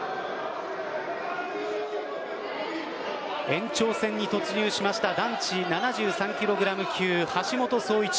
延長戦に突入しました男子７３ｋｇ級、橋本壮市。